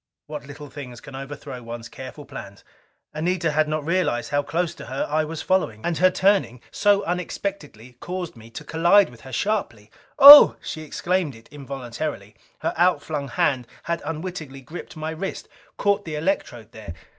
What little things can overthrow one's careful plans! Anita had not realized how close to her I was following. And her turning so unexpectedly caused me to collide with her sharply. "Oh!" She exclaimed it involuntarily. Her outflung hand had unwittingly gripped my wrist, caught the electrode there.